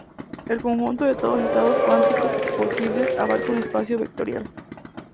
El conjunto de todos estados cuánticos posibles abarca un espacio vectorial.